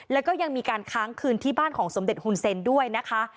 แล้วก็ยังมีการค้างคืนที่บ้านของสมเด็จหุ่นเซ็นด้วยนะคะ